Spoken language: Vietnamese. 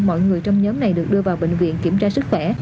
mọi người trong nhóm này được đưa vào bệnh viện kiểm tra sức khỏe